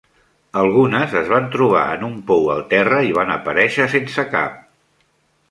Algunes es van trobar en un pou al terra i van aparèixer sense cap.